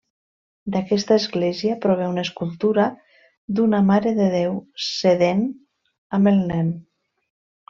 D'aquesta església prové una escultura d'una marededéu sedent amb el nen.